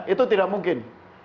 itu tidak mungkin